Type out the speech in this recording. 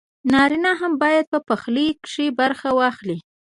نارينه هم بايد په پخلي کښې برخه واخلي